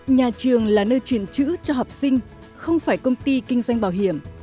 nhà trường là nơi truyền chữ cho học sinh không phải công ty kinh doanh bảo hiểm